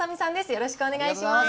よろしくお願いします。